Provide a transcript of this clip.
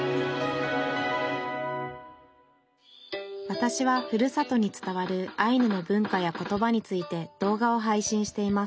わたしはふるさとに伝わるアイヌの文化や言葉について動画を配信しています